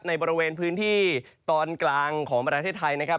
ในบริเวณพื้นที่ตอนกลางของประเทศไทยนะครับ